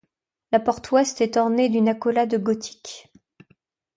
La porte ouest est ornée d'une accolade gothique.